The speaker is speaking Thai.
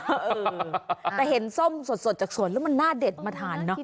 แต่เห็นส้มสดจากสวนแล้วมันหน้าเด็ดมาทานเนอะ